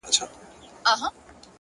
پرمختګ د ځان له پرونۍ بڼې وړاندې تګ دی،